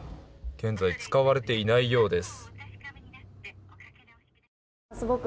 現在使われていないようです。